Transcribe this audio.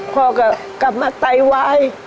พ่อก็กลับมาไตวาย